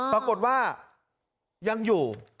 ปรากฏว่ายังอยู่